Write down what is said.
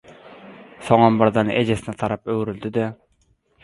Soňam birden ejesine tarap öwrüldi-de: